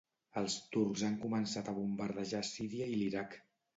Els turcs han començat a bombardejar Síria i l'Iraq.